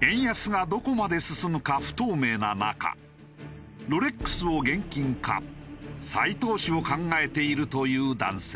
円安がどこまで進むか不透明な中ロレックスを現金化再投資を考えているという男性。